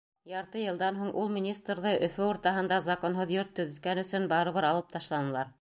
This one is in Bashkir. Ярты йылдан һуң ул министрҙы Өфө уртаһында законһыҙ йорт төҙөткән өсөн барыбер алып ташланылар.